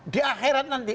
di akhirat nanti